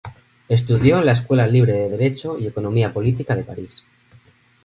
Estudió en la Escuela Libre de Derecho y Economía Política de París.